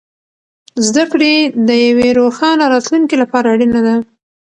زده کړه د یوې روښانه راتلونکې لپاره اړینه ده.